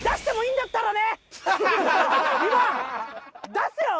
出すよ！